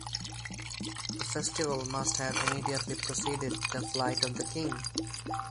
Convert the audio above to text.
The festival must have immediately preceded the Flight of the King.